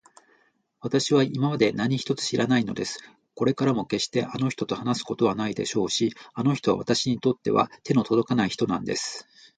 わたしは今でも何一つ知らないのです。これからもけっしてあの人と話すことはないでしょうし、あの人はわたしにとっては手のとどかない人なんです。